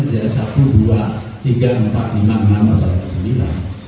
jadi kalau masuk angin aja satu dua tiga empat lima enam tujuh delapan sembilan